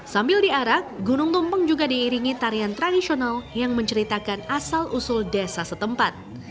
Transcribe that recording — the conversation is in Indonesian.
sambil diarak gunung tumpeng juga diiringi tarian tradisional yang menceritakan asal usul desa setempat